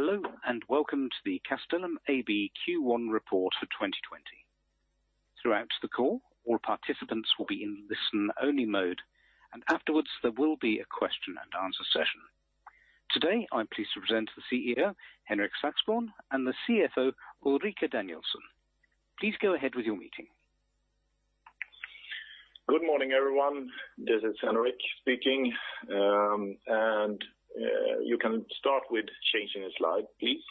Hello, welcome to the Castellum AB Q1 report for 2020. Throughout the call, all participants will be in listen-only mode. Afterwards, there will be a question and answer session. Today, I'm pleased to present the CEO, Henrik Saxborn, and the CFO, Ulrika Danielsson. Please go ahead with your meeting. Good morning, everyone. This is Henrik speaking. You can start with changing the slide, please.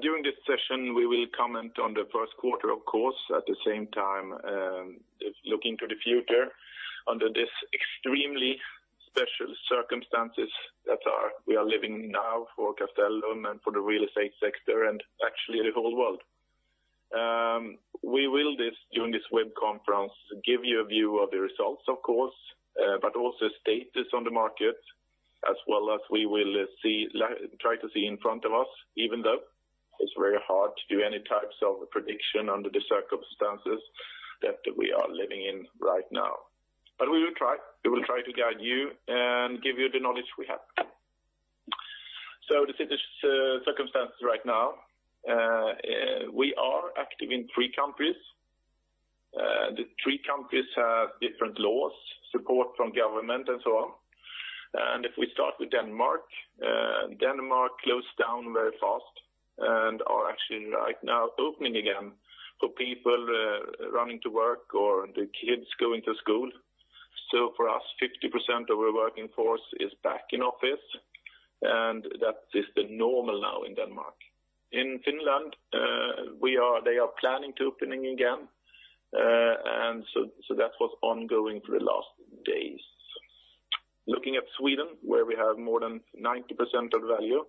During this session, we will comment on the first quarter, of course, at the same time looking to the future under these extremely special circumstances that we are living now for Castellum and for the real estate sector and actually the whole world. We will, during this web conference, give you a view of the results, of course, but also status on the market as well as we will try to see in front of us, even though it's very hard to do any types of prediction under the circumstances that we are living in right now. We will try. We will try to guide you and give you the knowledge we have. The circumstances right now. We are active in three countries. The three countries have different laws, support from government, and so on. If we start with Denmark closed down very fast and are actually right now opening again for people running to work or the kids going to school. For us, 50% of our working force is back in office, and that is the normal now in Denmark. In Finland, they are planning to opening again. That was ongoing for the last days. Looking at Sweden, where we have more than 90% of the value,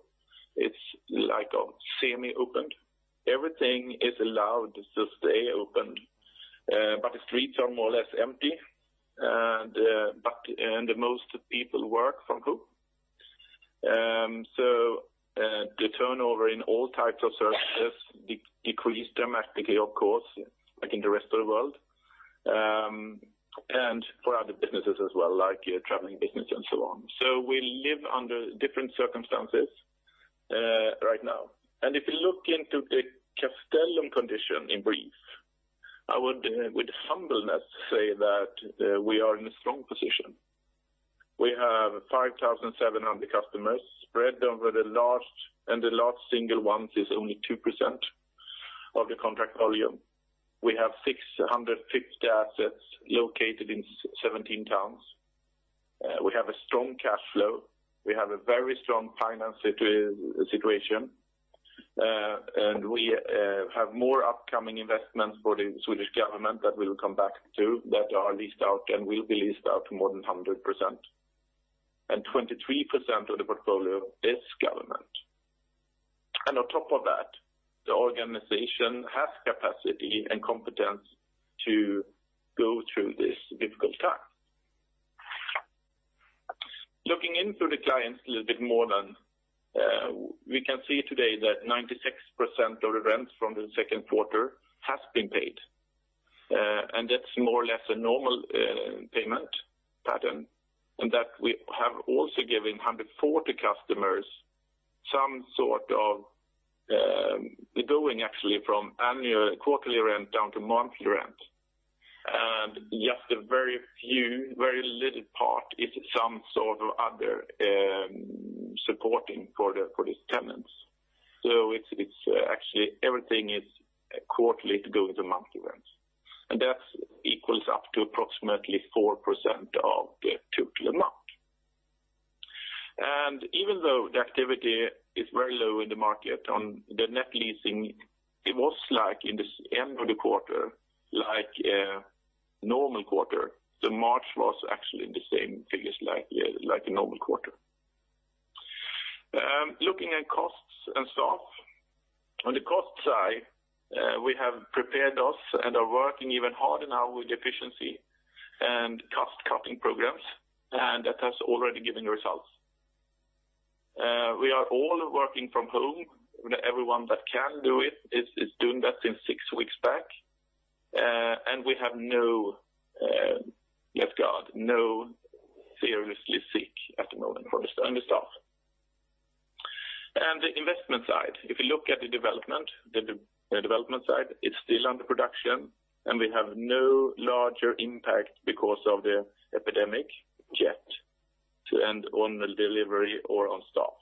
it's like a semi-opened. Everything is allowed to stay opened. The streets are more or less empty, and most people work from home. The turnover in all types of services decreased dramatically, of course, like in the rest of the world, and for other businesses as well, like traveling business and so on. We live under different circumstances right now. If you look into the Castellum condition in brief, I would with humbleness say that we are in a strong position. We have 5,700 customers spread over the large, and the large single ones is only 2% of the contract volume. We have 650 assets located in 17 towns. We have a strong cash flow. We have a very strong financial situation. We have more upcoming investments for the Swedish government that we'll come back to that are leased out and will be leased out more than 100%. 23% of the portfolio is government. On top of that, the organization has capacity and competence to go through this difficult time. Looking into the clients a little bit more then, we can see today that 96% of the rent from the second quarter has been paid. That's more or less a normal payment pattern, that we have also given 140 customers. They're going actually from quarterly rent down to monthly rent. Just a very few, very little part is some sort of other supporting for these tenants. It's actually everything is quarterly to go into monthly rent. That equals up to approximately 4% of the total amount. Even though the activity is very low in the market on the net leasing, it was like in the end of the quarter like a normal quarter. The March was actually the same figures like a normal quarter. Looking at costs and staff. On the cost side, we have prepared us and are working even harder now with efficiency and cost-cutting programs, and that has already given results. We are all working from home. Everyone that can do it is doing that since six weeks back. We have, thank God, no seriously sick at the moment from the staff. The investment side. If you look at the development side, it's still under production, and we have no larger impact because of the epidemic yet on the delivery or on staff.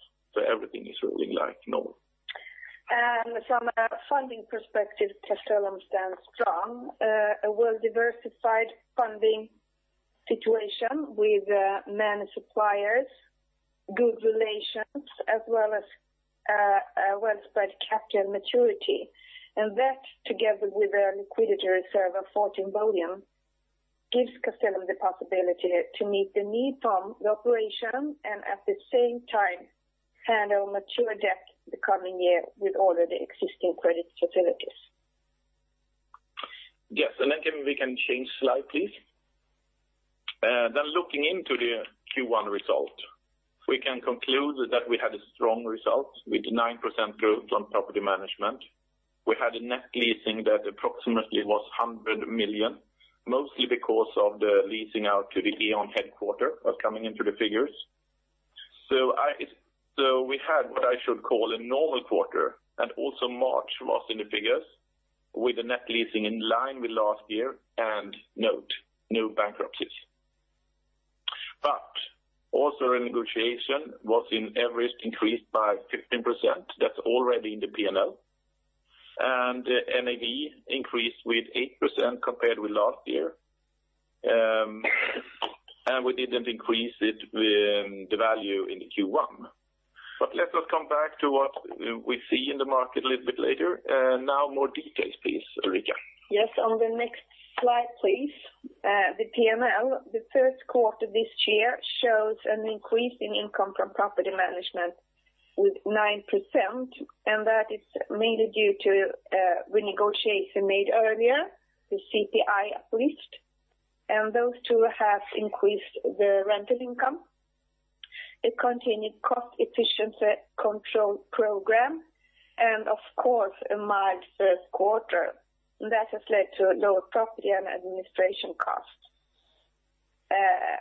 Everything is running like normal. From a funding perspective, Castellum stands strong. A well-diversified funding situation with many suppliers, good relations, as well as a well-spread capture and maturity. That, together with our liquidity reserve of 14 billion, gives Castellum the possibility to meet the need from the operation and at the same time handle mature debt the coming year with already existing credit facilities. Yes. We can change slide, please. Looking into the Q1 result. We can conclude that we had a strong result with 9% growth on property management. We had a net leasing that approximately was 100 million, mostly because of the leasing out to the E.ON headquarter was coming into the figures. We had what I should call a normal quarter, and also March was in the figures with the net leasing in line with last year and note, no bankruptcies. Also renegotiation was in average increased by 15%. That's already in the P&L. NAV increased with 8% compared with last year. We didn't increase it with the value in the Q1. Let us come back to what we see in the market a little bit later. Now more details, please, Ulrika. Yes. On the next slide, please. The P&L, the first quarter this year shows an increase in income from property management with 9%. That is mainly due to renegotiation made earlier, the CPI uplift. Those two have increased the rental income. A continued cost efficiency control program and of course, a mild first quarter that has led to lower property and administration costs.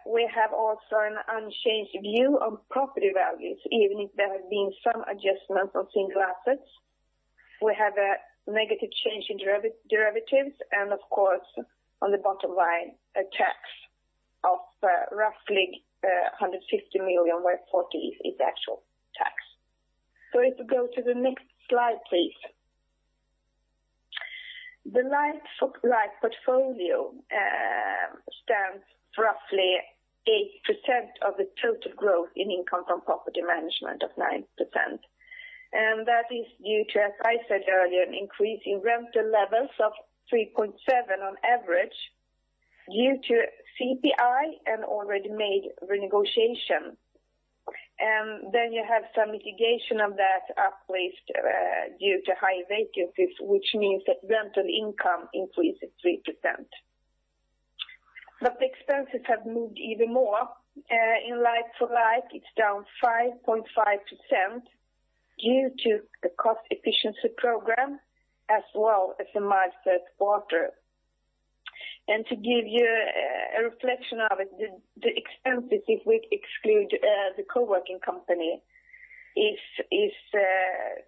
We have also an unchanged view on property values, even if there have been some adjustments on certain assets. We have a negative change in derivatives and of course on the bottom line, a tax of roughly 150 million where 40 is actual tax. If you go to the next slide, please. The like-for-like portfolio stands roughly 8% of the total growth in income from property management of 9%. That is due to, as I said earlier, an increase in rental levels of 3.7% on average due to CPI and already made renegotiation. You have some mitigation of that uplift due to high vacancies, which means that rental income increases 3%. The expenses have moved even more. In like-for-like, it's down 5.5% due to the cost efficiency program as well as a mild first quarter. To give you a reflection of it, the expenses, if we exclude the co-working company is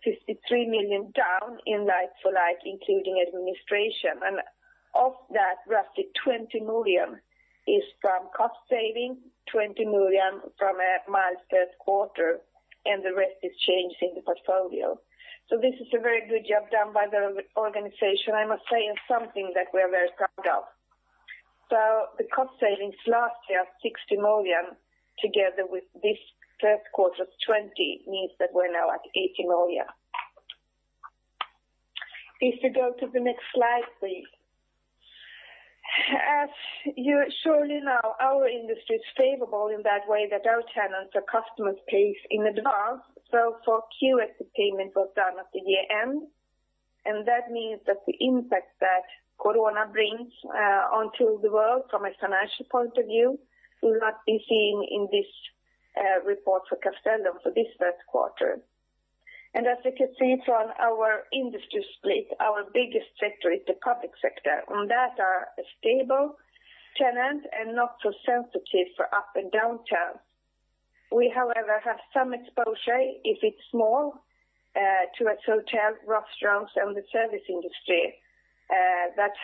53 million down in like-for-like, including administration. Of that, roughly 20 million is from cost saving, 20 million from a mild first quarter, and the rest is changed in the portfolio. This is a very good job done by the organization, I must say, and something that we're very proud of. The cost savings last year of 60 million together with this first quarter 20 million means that we're now at 80 million. If you go to the next slide, please. As you surely know, our industry is favorable in that way that our tenants or customers pays in advance. For [Q4], payment was done at the year-end, and that means that the impact that corona brings onto the world from a financial point of view will not be seen in this report for Castellum for this first quarter. As you can see from our industry split, our biggest sector is the public sector. On that are stable tenant and not so sensitive for up and downturn. We, however, have some exposure, if it's small, to hotels, restaurants, and the service industry that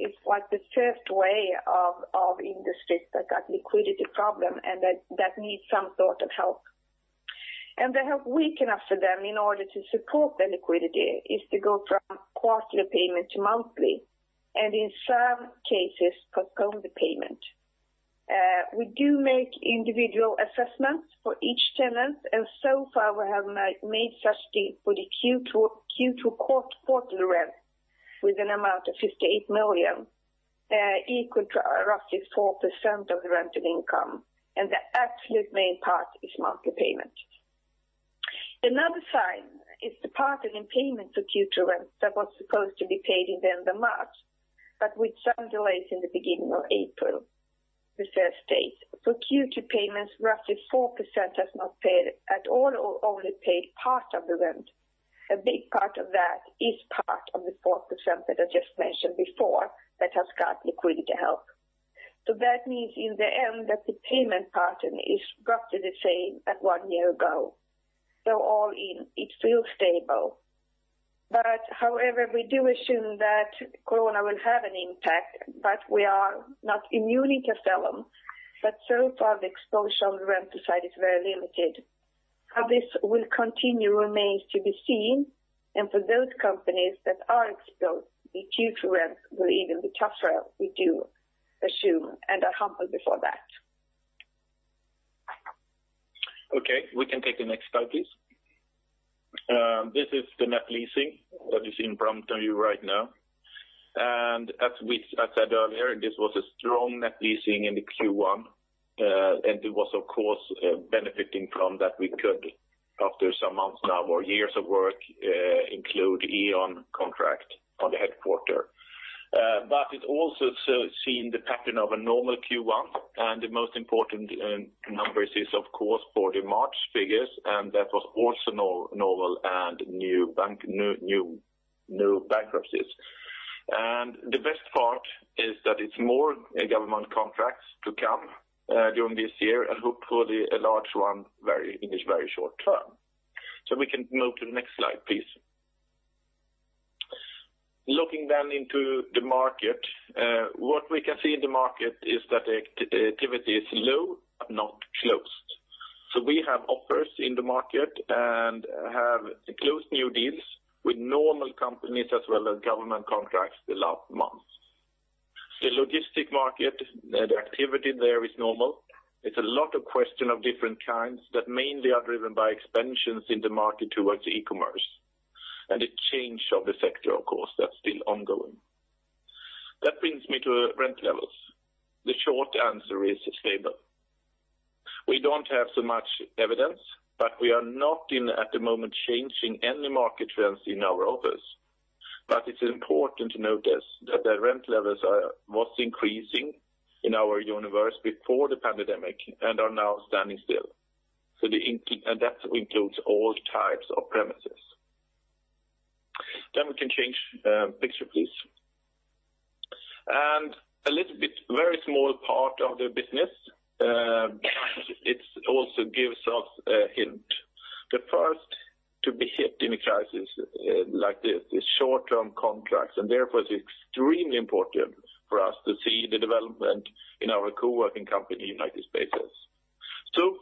is the first wave of industries that got liquidity problems and that need some sort of help. The help we can offer them in order to support the liquidity is to go from quarterly payment to monthly, and in some cases, postpone the payment. We do make individual assessments for each tenant, and so far we have made such deal for the Q2 rent with an amount of 58 million equal to roughly 4% of the rental income, and the absolute main part is marked payment. Another side is the pattern in payment for Q2 rent that was supposed to be paid in the end of March, but which some delayed in the beginning of April, the first. For Q2 payments, roughly 4% has not paid at all or only paid part of the rent. A big part of that is part of the 4% that I just mentioned before that has got liquidity help. That means in the end that the payment pattern is roughly the same as one year ago. All in, it's still stable. However, we do assume that corona will have an impact, but we are not immune in Castellum. So far, the exposure on the rental side is very limited. How this will continue remains to be seen, and for those companies that are exposed, the Q2 rent will even be tougher, we do assume and are humbled before that. Okay. We can take the next slide, please. This is the net leasing that is in front of you right now. As I said earlier, this was a strong net leasing in the Q1. It was, of course, benefiting from that we could, after some months now or years of work, include E.ON contract on the headquarter. It also seen the pattern of a normal Q1, and the most important numbers is, of course, for the March figures, and that was also normal and new bankruptcies. The best part is that it's more government contracts to come during this year and hopefully a large one in the very short-term. We can move to the next slide, please. Looking into the market. What we can see in the market is that the activity is low, but not closed. We have offers in the market and have closed new deals with normal companies as well as government contracts the last month. The logistic market, the activity there is normal. It's a lot of question of different kinds that mainly are driven by expansions in the market towards e-commerce, and a change of the sector, of course, that's still ongoing. That brings me to rent levels. The short answer is stable. We don't have so much evidence, we are not in, at the moment, changing any market trends in our offers. It's important to notice that the rent levels are what's increasing in our universe before the pandemic and are now standing still. That includes all types of premises. We can change picture, please. A little bit, very small part of the business. It also gives us a hint. The first to be hit in a crisis like this is short-term contracts, and therefore it's extremely important for us to see the development in our co-working company, United Spaces.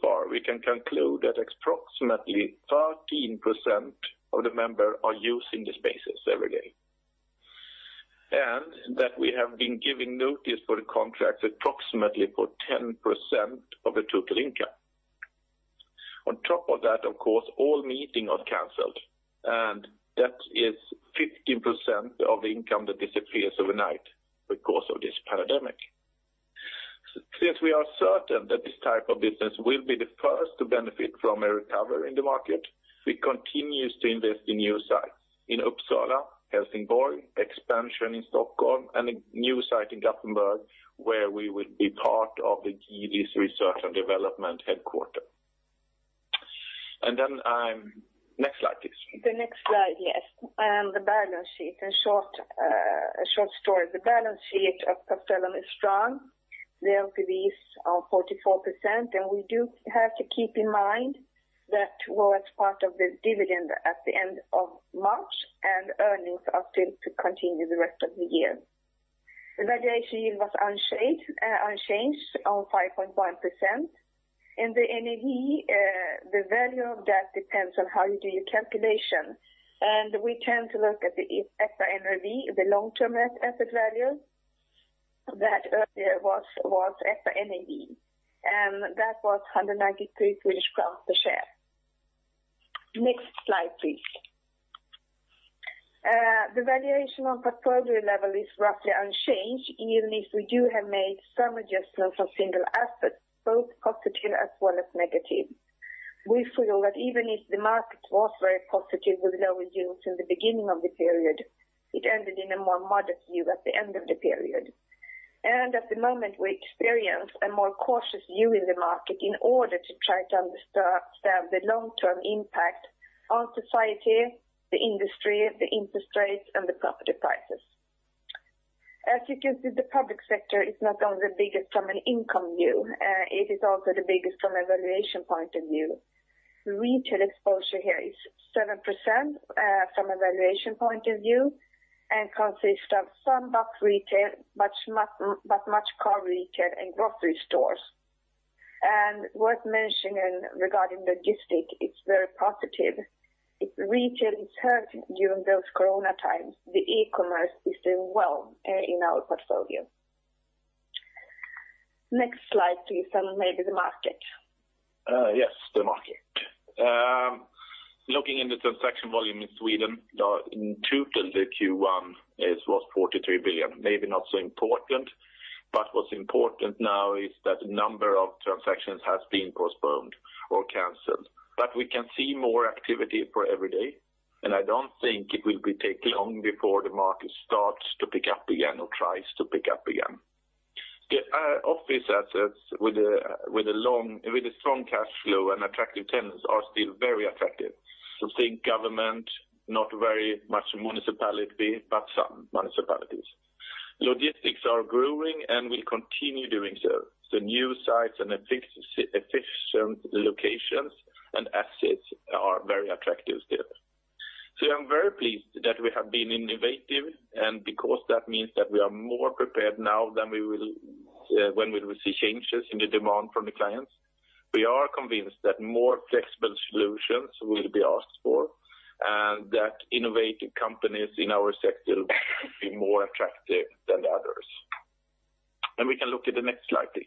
Far, we can conclude that approximately 13% of the members are using the spaces every day. That we have been giving notice for the contracts approximately for 10% of the total income. On top of that, of course, all meetings are canceled, and that is 15% of income that disappears overnight because of this pandemic. Since we are certain that this type of business will be the first to benefit from a recovery in the market, we continue to invest in new sites in Uppsala, Helsingborg, expansion in Stockholm, and a new site in Gothenburg, where we will be part of the [tedious] research and development headquarter. Next slide, please. The next slide, yes. The balance sheet. A short story. The balance sheet of Castellum is strong. We have released our 44%, and we do have to keep in mind that was part of the dividend at the end of March, and earnings are still to continue the rest of the year. The valuation was unchanged on 5.1%. The NAV, the value of that depends on how you do your calculation. We tend to look at the EPRA NAV, the long-term asset value that earlier was EPRA NAV, and that was 193 crowns per share. Next slide, please. The valuation on portfolio level is roughly unchanged, even if we do have made some adjustments of single assets, both positive as well as negative. We feel that even if the market was very positive with low yields in the beginning of the period, it ended in a more modest view at the end of the period. At the moment, we experience a more cautious view in the market in order to try to understand the long-term impact on society, the industry, the interest rates, and the property prices. As you can see, the public sector is not only the biggest from an income view, it is also the biggest from a valuation point of view. Retail exposure here is 7% from a valuation point of view and consists of some box retail, but much car retail and grocery stores. Worth mentioning regarding logistics, it's very positive. If retail is hurt during those Corona times, the e-commerce is doing well in our portfolio. Next slide please, maybe the market. Yes, the market. Looking in the transaction volume in Sweden, in total, the Q1 was 43 billion, maybe not so important. What's important now is that the number of transactions has been postponed or canceled. We can see more activity for every day. I don't think it will take long before the market starts to pick up again or tries to pick up again. The office assets with a strong cash flow and attractive tenants are still very attractive. Think government, not very much municipality, but some municipalities. Logistics are growing and will continue doing so. The new sites and efficient locations and assets are very attractive there. I'm very pleased that we have been innovative and because that means that we are more prepared now than when we will see changes in the demand from the clients. We are convinced that more flexible solutions will be asked for, and that innovative companies in our sector will be more attractive than the others. We can look at the next slide, please.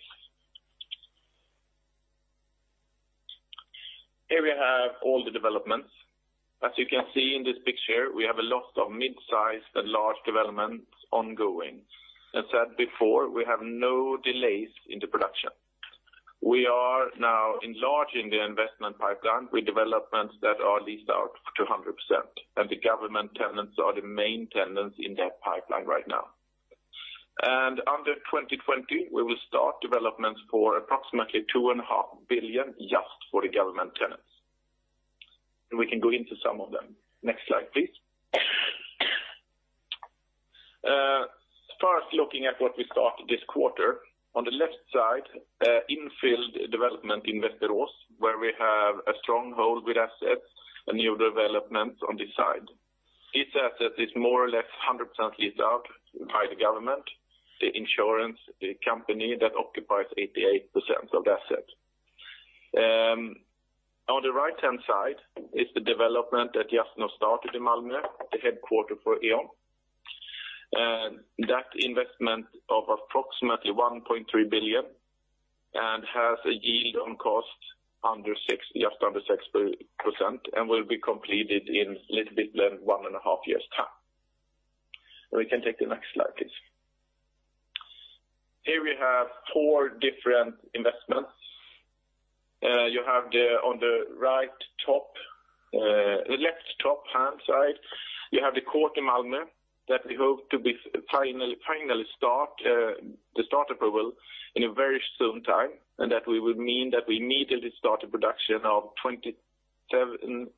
Here we have all the developments. As you can see in this picture, we have a lot of mid-size and large developments ongoing. As said before, we have no delays in the production. We are now enlarging the investment pipeline with developments that are leased out to 100%, and the government tenants are the main tenants in that pipeline right now. Under 2020, we will start developments for approximately 2.5 billion just for the government tenants. We can go into some of them. Next slide, please. First, looking at what we started this quarter, on the left side, in-filled development in Västerås, where we have a stronghold with assets, a new development on this side. This asset is more or less 100% leased out by the government. The insurance company that occupies 88% of the asset. On the right-hand side is the development that just now started in Malmö, the headquarter for E.ON. That investment of approximately 1.3 billion and has a yield on cost just under 6% and will be completed in little bit than one and a half years' time. We can take the next slide, please. Here we have four different investments. On the left top-hand side, you have the court in Malmö that we hope to be finally start the start approval in a very soon time. That we would mean that we immediately start a production of 27,000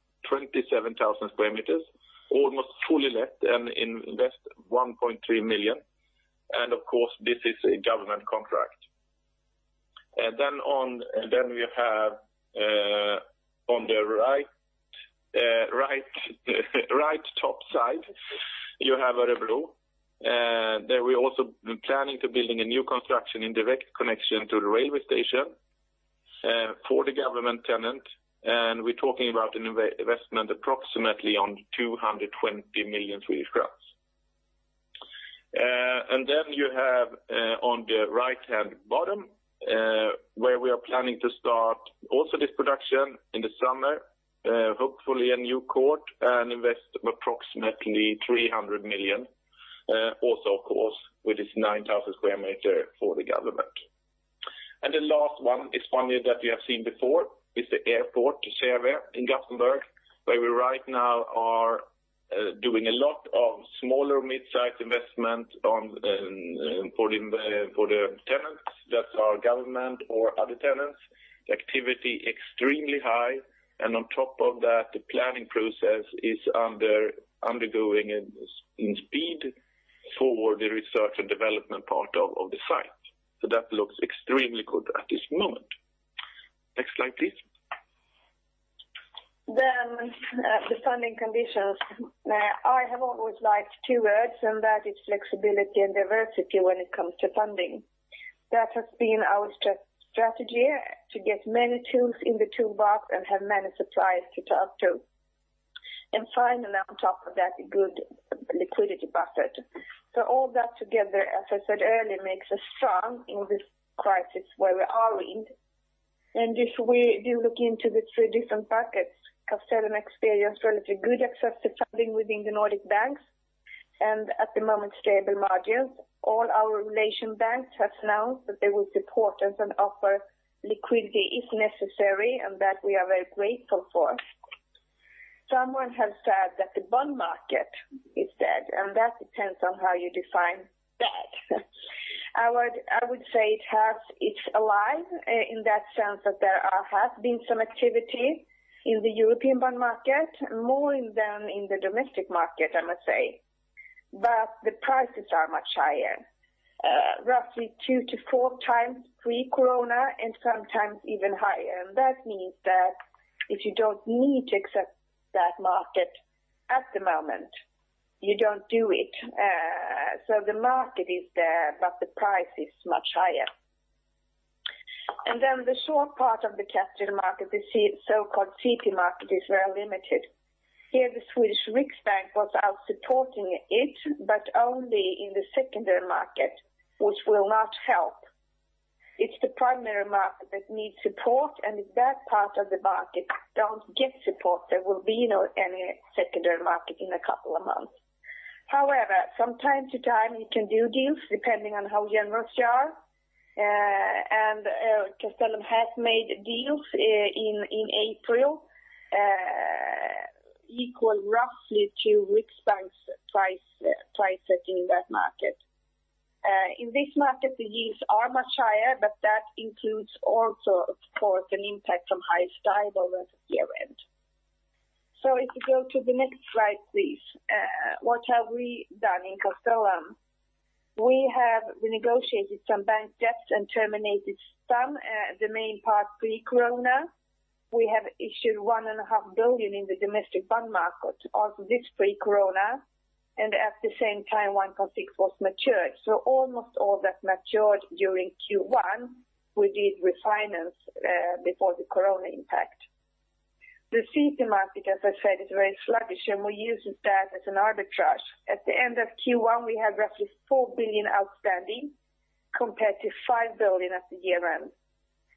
sq m, almost fully let and invest 1.3 million. Of course, this is a government contract. We have on the right top side, you have Örebro. There we also planning to building a new construction in direct connection to the railway station for the government tenant, and we're talking about an investment approximately on 220 million Swedish crowns. Then you have on the right-hand bottom where we are planning to start also this production in the summer, hopefully a new court and invest approximately 300 million, also, of course, with its 9,000 sq m for the government. The last one is one that we have seen before with the airport, Säve in Gothenburg, where we right now are doing a lot of smaller mid-size investment for the tenants that are government or other tenants. The activity extremely high, and on top of that, the planning process is undergoing in speed for the research and development part of the site. That looks extremely good at this moment. Next slide, please. The funding conditions. I have always liked two words, and that is flexibility and diversity when it comes to funding. That has been our strategy to get many tools in the toolbox and have many suppliers to talk to. Finally, on top of that, a good liquidity buffer. All that together, as I said earlier, makes us strong in this crisis where we are in. If we do look into the three different buckets, Castellum experienced relatively good access to funding within the Nordic banks and, at the moment, stable margins. All our relation banks have announced that they will support us and offer liquidity if necessary, and that we are very grateful for. Someone has said that the bond market is dead, and that depends on how you define dead. I would say it's alive in that sense that there has been some activity in the European bond market, more than in the domestic market, I must say. The prices are much higher. Roughly two to four times pre-corona and sometimes even higher. That means that if you don't need to accept that market at the moment, you don't do it. The market is there, but the price is much higher. The short part of the capital market, the so-called CP market, is very limited. Here, the Swedish Riksbank was out supporting it, but only in the secondary market, which will not help. It's the primary market that needs support, if that part of the market don't get support, there will be no any secondary market in a couple of months. However, from time to time, you can do deals depending on how generous you are. Castellum has made deals in April equal roughly to Riksbank's price setting in that market. In this market, the yields are much higher, but that includes also, of course, an impact from high STIB over the year-end. If you go to the next slide, please. What have we done in Castellum? We have renegotiated some bank debts and terminated some, the main part pre-corona. We have issued 1.5 billion in the domestic bond market, also this pre-corona. At the same time, 1.6 was matured. Almost all that matured during Q1, we did refinance before the corona impact. The CP market, as I said, is very sluggish, and we use that as an arbitrage. At the end of Q1, we had roughly 4 billion outstanding compared to 5 billion at the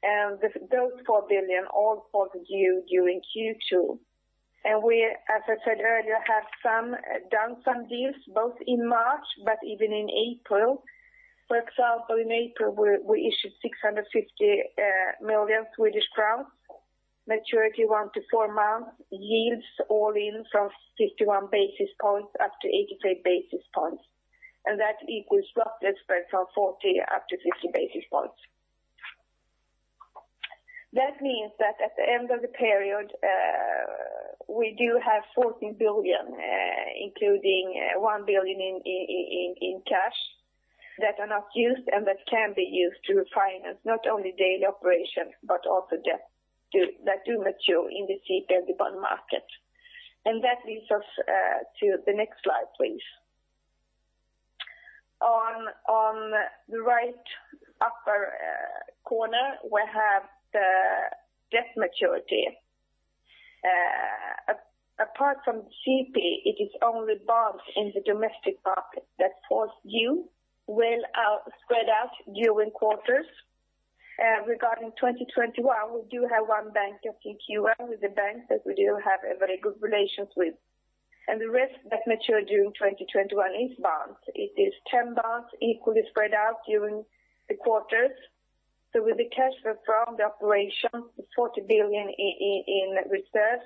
year-end. Those 4 billion all falls due during Q2. We, as I said earlier, have done some deals both in March but even in April. For example, in April, we issued 650 million Swedish crowns, maturity one to four months, yields all in from 51 basis points up to 83 basis points. That equals roughly spread from 40 basis points up to 50 basis points. That means that at the end of the period, we do have 14 billion, including 1 billion in cash that are not used and that can be used to finance not only daily operation, but also debt that do mature in the CP and the bond market. That leads us to the next slide, please. On the right upper corner, we have the debt maturity. Apart from CP, it is only bonds in the domestic market that falls due, well spread out during quarters. Regarding 2021, we do have one bank in Q1 with the banks that we do have a very good relations with. The rest that mature during 2021 is bonds. It is 10 bonds equally spread out during the quarters. With the cash flow from the operations, the [14 billion[ in reserve,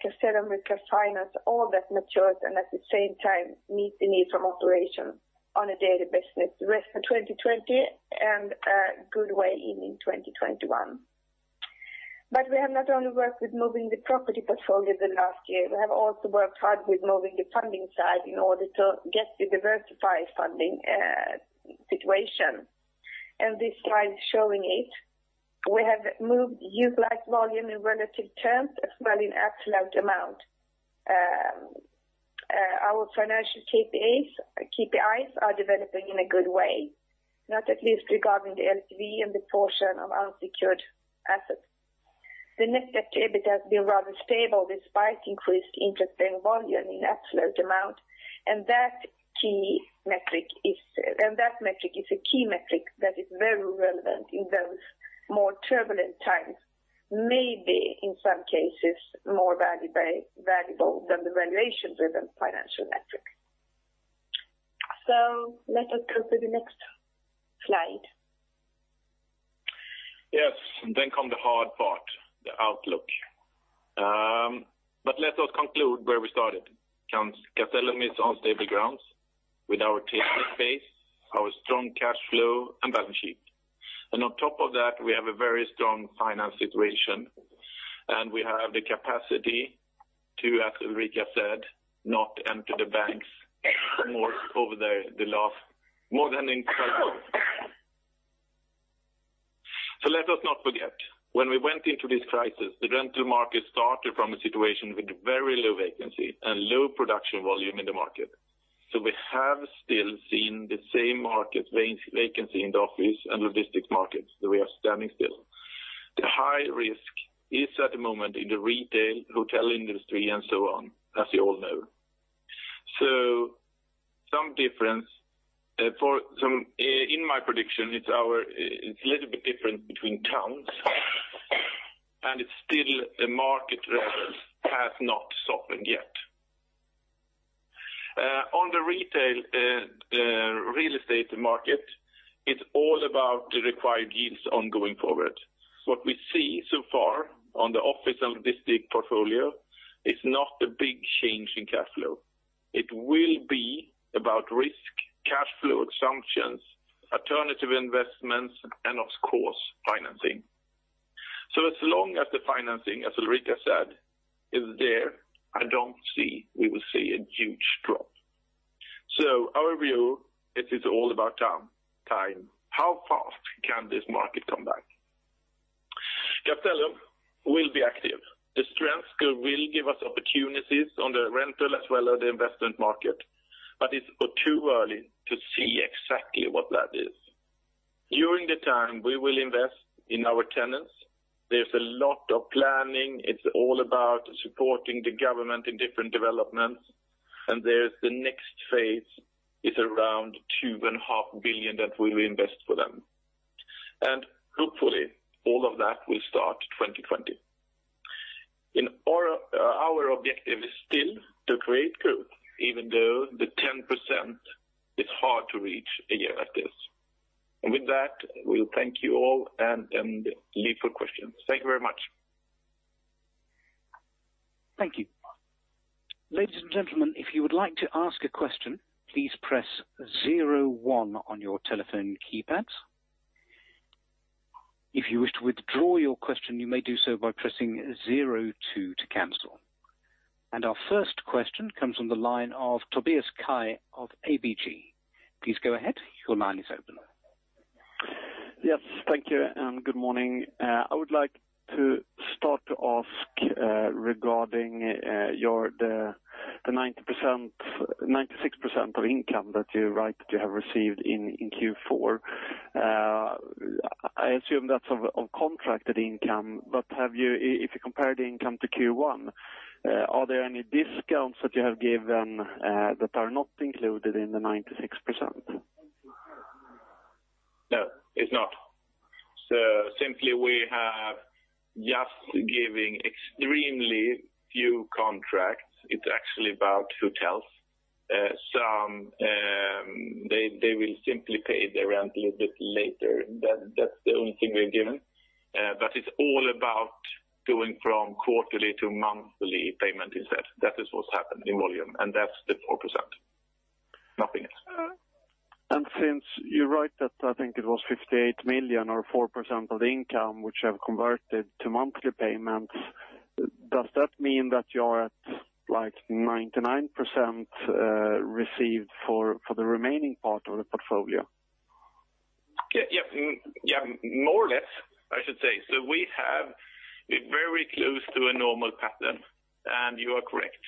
Castellum can finance all that matures, and at the same time meet the need from operations on a daily basis. The rest for 2020 and a good way in 2021. We have not only worked with moving the property portfolio the last year, we have also worked hard with moving the funding side in order to get a diversified funding situation. This slide is showing it. We have moved utilized volume in relative terms as well as in absolute amount. Our financial KPIs are developing in a good way, not at least regarding the LTV and the portion of unsecured assets. The net debt to EBIT has been rather stable despite increased interest-paying volume in absolute amount. That metric is a key metric that is very relevant in those more turbulent times. Maybe in some cases, more valuable than the valuation-driven financial metric. Let us go to the next slide. Yes. come the hard part, the outlook. let us conclude where we started. Castellum is on stable grounds with our tenant base, our strong cash flow, and balance sheet. on top of that, we have a very strong finance situation, and we have the capacity to, as Ulrika said, not enter the banks more over the last more than in 2020. let us not forget, when we went into this crisis, the rental market started from a situation with very low vacancy and low production volume in the market. we have still seen the same market vacancy in the office and logistics markets they are standing still. The high risk is at the moment in the retail, hotel industry, and so on, as you all know. some difference. In my prediction, it's a little bit different between towns, and it's still the market rentals has not softened yet. On the retail real estate market, it's all about the required yields on going forward. What we see so far on the office and logistic portfolio is not a big change in cash flow. It will be about risk, cash flow assumptions, alternative investments, and of course, financing. As long as the financing, as Ulrika said, is there, I don't see we will see a huge drop. Our view, it is all about time. How fast can this market come back? Castellum will be active. The strength will give us opportunities on the rental as well as the investment market, but it's too early to see exactly what that is. During the time, we will invest in our tenants. There's a lot of planning. It's all about supporting the government in different developments. There's the next phase is around 2.5 billion that we will invest for them. Hopefully, all of that will start 2020. Our objective is still to create growth, even though the 10% is hard to reach a year like this. With that, we'll thank you all and leave for questions. Thank you very much. Thank you. Ladies and gentlemen, if you would like to ask a question, please press zero one on your telephone keypads. If you wish to withdraw your question, you may do so by pressing zero two to cancel. Our first question comes on the line of Tobias Kaj of ABG. Please go ahead. Your line is open. Yes. Thank you and good morning. I would like to start to ask regarding the 96% of income that you write you have received in Q4. I assume that's of contracted income. If you compare the income to Q1, are there any discounts that you have given that are not included in the 96%? It's not. Simply we have just given extremely few contracts. It's actually about hotels. Some they will simply pay the rent a little bit later. That's the only thing we have given. It's all about going from quarterly to monthly payment instead. That is what's happened in volume, and that's the 4%. Nothing else. Since you wrote that, I think it was 58 million or 4% of the income which have converted to monthly payments, does that mean that you are at 99% received for the remaining part of the portfolio? Yes, more or less, I should say. We have very close to a normal pattern, and you are correct.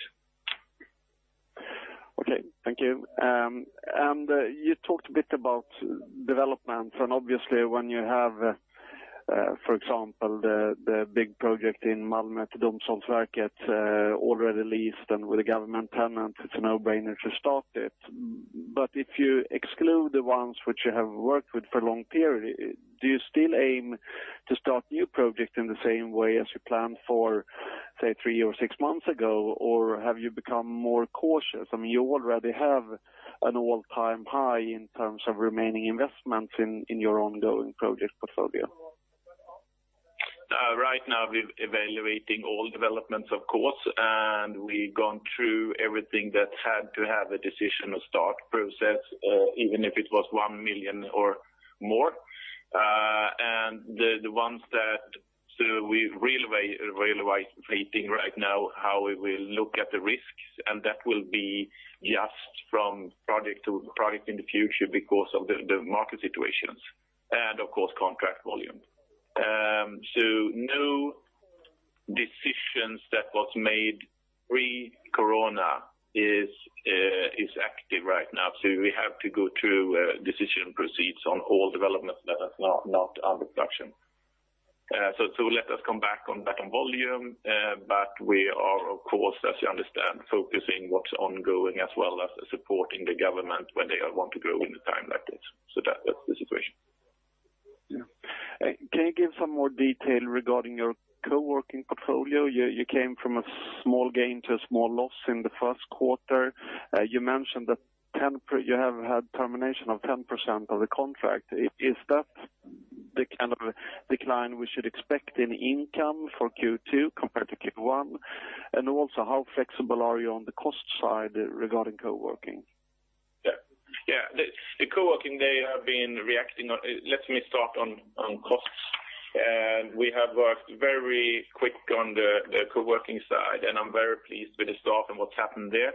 Okay. Thank you. You talked a bit about development and obviously when you have for example, the big project in Malmö Domstolsverket already leased and with a government tenant, it's a no-brainer to start it. If you exclude the ones which you have worked with for a long period, do you still aim to start new projects in the same way as you planned for, say, three or six months ago, or have you become more cautious? I mean, you already have an all-time high in terms of remaining investment in your ongoing project portfolio. Right now we're evaluating all developments, of course, and we've gone through everything that had to have a decisional start process, or even if it was 1 million or more. The ones that we're evaluating right now, how we will look at the risks, and that will be just from project to project in the future because of the market situations and of course contract volume. No decisions that was made pre-corona is active right now. We have to go through decision proceeds on all developments that are not under production. Let us come back on volume, but we are of course, as you understand, focusing what's ongoing as well as supporting the government when they want to grow in a time like this. That's the situation. Yeah. Can you give some more detail regarding your co-working portfolio? You came from a small gain to a small loss in the first quarter. You mentioned that you have had termination of 10% of the contract. Is that the kind of decline we should expect in income for Q2 compared to Q1? How flexible are you on the cost side regarding co-working? Yeah. Let me start on costs. We have worked very quick on the co-working side, and I'm very pleased with the staff and what's happened there.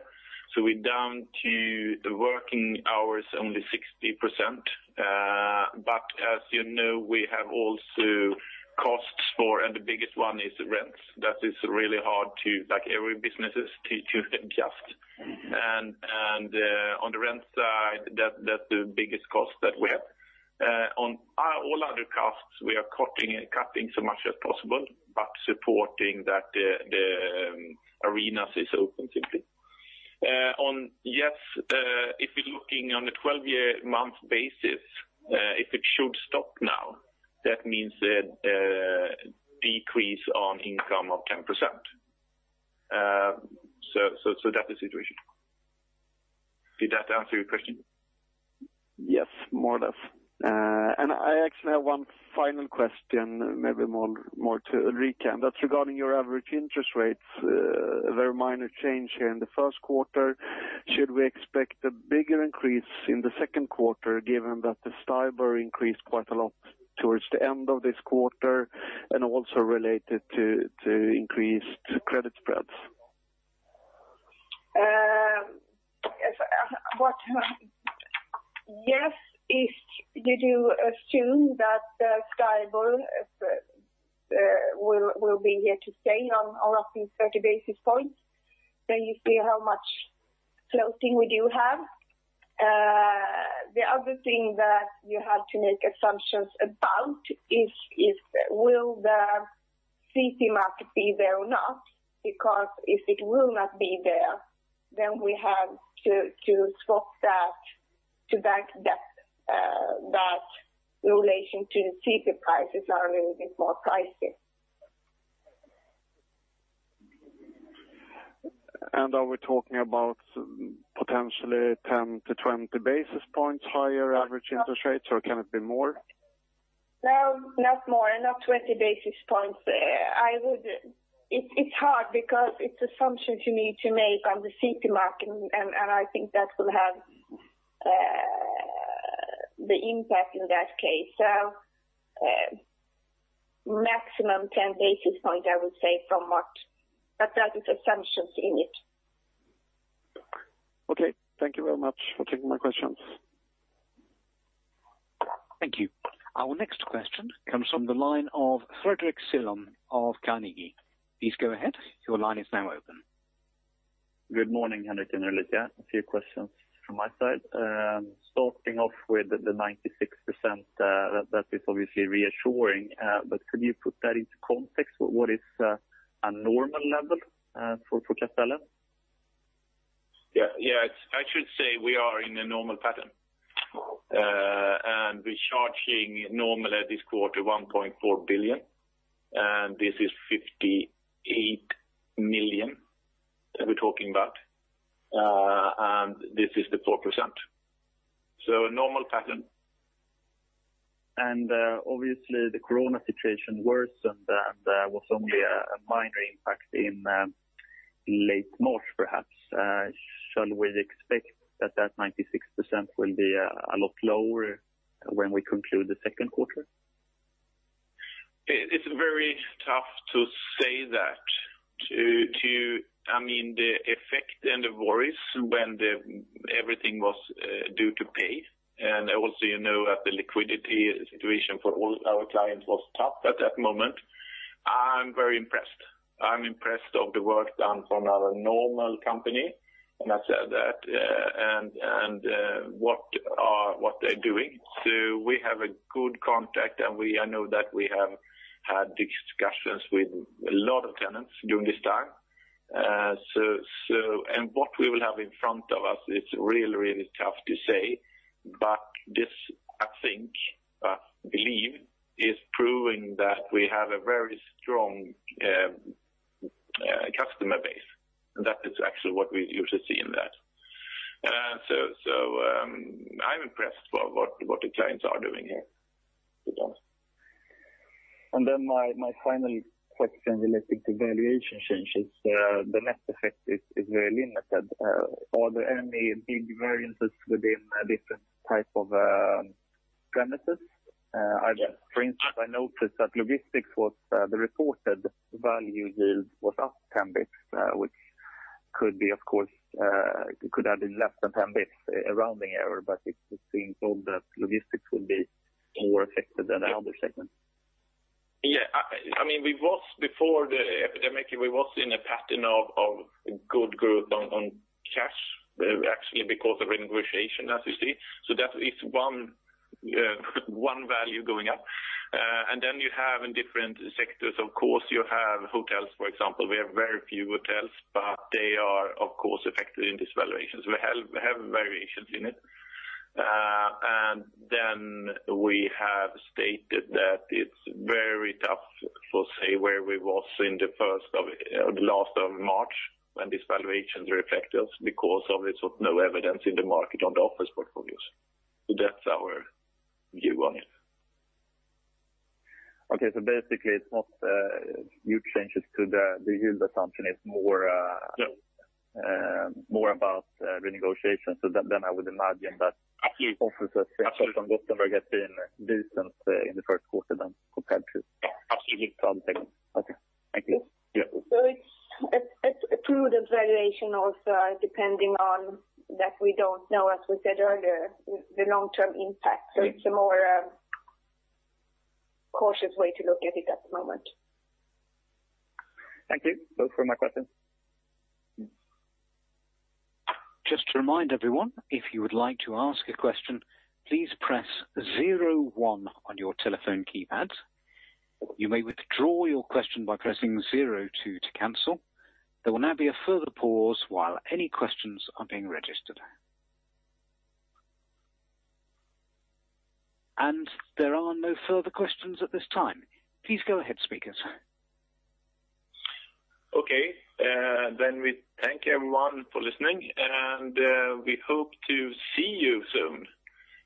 We're down to the working hours only 60%. As you know, we have also costs for, and the biggest one is rents. That is really hard to, like every business is to adjust. On the rent side, that's the biggest cost that we have. On all other costs, we are cutting so much as possible, but supporting that the arenas is open simply. Yes, if you're looking on the 12-year month basis, if it should stop now, that means a decrease on income of 10%. That's the situation. Did that answer your question? Yes, more or less. I actually have one final question, maybe more to Ulrika. That's regarding your average interest rates, a very minor change here in the first quarter. Should we expect a bigger increase in the second quarter given that the STIBOR increased quite a lot towards the end of this quarter and also related to increased credit spreads? If you do assume that the STIBOR will be here to stay on roughly 30 basis points, you see how much floating we do have. The other thing that you have to make assumptions about is, will the CP market be there or not? If it will not be there, we have to swap that to bank debt. That relation to CP prices are a little bit more pricey. Are we talking about potentially 10 basis points-20 basis points higher average interest rates, or can it be more? No, not more, not 20 basis points there. It's hard because it's assumptions you need to make on the CP market, and I think that will have the impact in that case. Maximum 10 basis points, I would say. That is assumptions in it. Okay. Thank you very much for taking my questions. Thank you. Our next question comes from the line of Fredric Cyon of Carnegie. Please go ahead. Your line is now open. Good morning, Henrik and Ulrika. A few questions from my side. Starting off with the 96%, that is obviously reassuring. Could you put that into context? What is a normal level for Castellum? Yeah. I should say we are in a normal pattern. We're charging normally this quarter 1.4 billion. This is 58 million that we're talking about. This is the 4%. A normal pattern. Obviously the corona situation worsened, and there was only a minor impact in late March, perhaps. Shall we expect that 96% will be a lot lower when we conclude the second quarter? It's very tough to say that. The effect and the worries when everything was due to pay, and also you know that the liquidity situation for all our clients was tough at that moment. I'm very impressed. I'm impressed of the work done from our normal company, and I said that, and what they're doing. We have a good contact, and I know that we have had discussions with a lot of tenants during this time. What we will have in front of us, it's really tough to say. This I believe is proving that we have a very strong customer base, and that is actually what we usually see in that. I'm impressed by what the clients are doing here. My final question relating to valuation changes. The net effect is very limited. Are there any big variances within different type of premises? For instance, I noticed that logistics was the reported value yield was up 10 basis points which could be, of course, could have been less than 10 basis points, a rounding error, but it's been told that logistics will be more affected than the other segments. Before the epidemic, we was in a pattern of good growth on cash, actually because of renegotiation, as you see. That is one value going up. You have in different sectors, of course you have hotels, for example. We have very few hotels, they are of course affected in these valuations. We have variations in it. We have stated that it's very tough to say where we was in the last of March when these valuations were affected because of no evidence in the market on the office portfolios. That's our view on it. Basically, it's not huge changes to the yield assumption, its more about renegotiation. Absolutely So then I would imagine that offices on Gothenburg has been decent in the first quarter than compared to [other segment]. Absolutely It's a prudent valuation also, depending on that we don't know, as we said earlier, the long-term impact. It's a more cautious way to look at it at the moment. Thank you. Those were my questions. Just to remind everyone, if you would like to ask a question, please press zero one on your telephone keypad. You may withdraw your question by pressing zero two to cancel. There will now be a further pause while any questions are being registered. There are no further questions at this time. Please go ahead, speakers. Okay. We thank everyone for listening, and we hope to see you soon.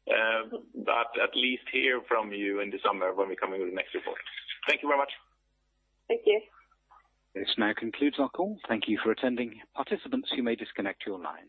At least hear from you in December when we're coming with the next report. Thank you very much. Thank you. This now concludes our call. Thank you for attending. Participants, you may disconnect your lines.